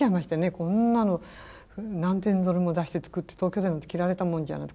こんなの何千ドルも出して作って東京で着られたもんじゃないって。